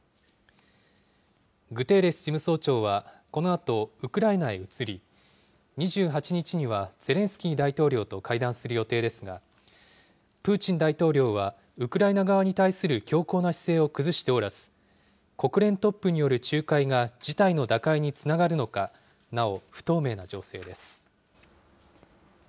グテーレス事務総長は、このあとウクライナへ移り、２８日にはゼレンスキー大統領と会談する予定ですが、プーチン大統領はウクライナ側に対する強硬な姿勢を崩しておらず、国連トップによる仲介が事態の打開につながるのか、なお不透明な情勢です。